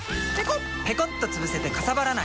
ペコッとつぶせてかさばらない！